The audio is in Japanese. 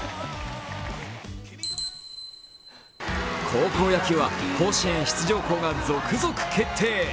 高校野球は甲子園出場校が続々決定。